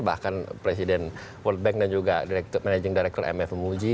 bahkan presiden world bank dan juga managing director imf memuji